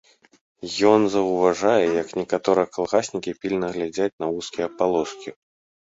Ён заўважае, як некаторыя калгаснікі пільна глядзяць на вузкія палоскі.